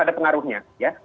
ada pengaruhnya ya